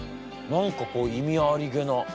何かこう意味ありげな。